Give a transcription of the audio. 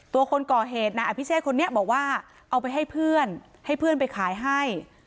คนก่อเหตุนายอภิเชษคนนี้บอกว่าเอาไปให้เพื่อนให้เพื่อนไปขายให้